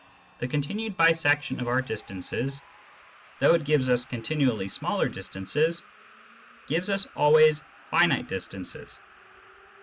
The continued bisection of our distance, though it gives us continually smaller distances, gives us always finite distances.